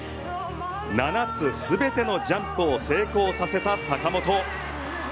７つ全てのジャンプを成功させた坂本。